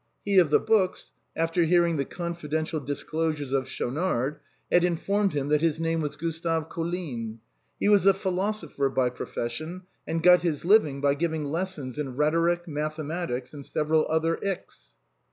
He of the books, after hearing the confidential disclosures of Schaunard, had in formed him that his name was Gustave Colline; he was a philosopher by profession, and got his living by giving les sons in rhetoric, mathematics and several other ics.